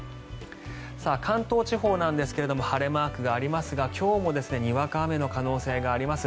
関東地方なんですが晴れマークがありますが今日もにわか雨の可能性があります。